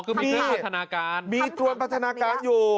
ก็มีตรวนพัฒนาการมีตรวนพัฒนาการอยู่